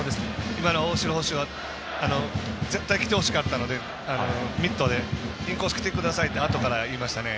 今の大城、絶対きてほしかったのでミットでインコースきてくださいってあとから言いましたね。